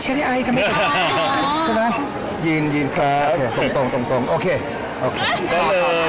ก็เลยเราก็ลงไป